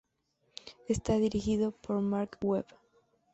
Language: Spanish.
Está dirigido por Marc Webb.